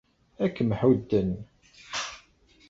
Ad kem-ḥudden.